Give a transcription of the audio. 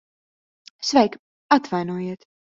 Sveika. Atvainojiet...